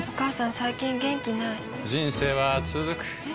最近元気ない人生はつづくえ？